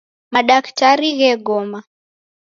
Madaktari ghegoma.